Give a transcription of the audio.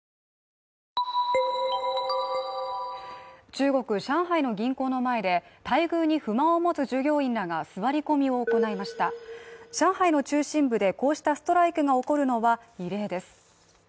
中国上海の銀行の前で待遇に不満を持つ従業員らが座り込みを行いました上海の中心部でこうしたストライキが起こるのは異例です。